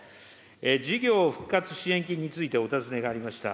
事業復活支援金についてお尋ねがありました。